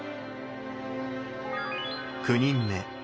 ９人目。